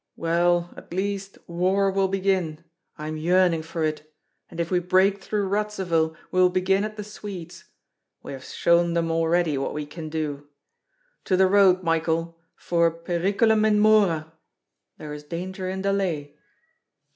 Well, at least war will begin; I am yearning for it. And if we break through Radzivill we will begin at the Swedes. We have shown them already what we can do. To the road, Michael, for periculum in mora (there is danger in delay)!"